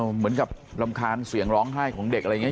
เหมือนกับรำคาญเสียงร้องไห้ของเด็กอะไรอย่างนี้